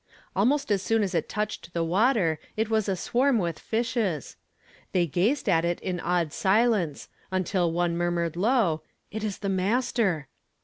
Almost as soon as it touched the water it was aswarm with fishes! They gazed at it in awed silence, until one mur mured low :" It is the ^Master